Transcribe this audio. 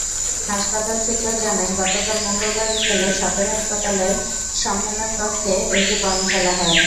হাসপাতাল সূত্র জানায়, গতকাল মঙ্গলবার বিকেলে সদর হাসপাতালের সম্মেলন কক্ষে একটি কর্মশালা হয়।